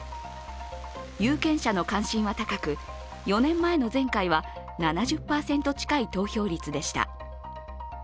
有権者の関心は高く４年前の前回は７０％近い投票率でした。